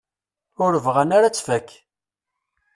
Ur bɣan ara ad tfak.